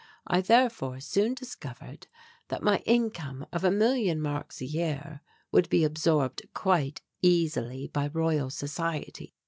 I therefore soon discovered that my income of a million marks a year would be absorbed quite easily by Royal Society.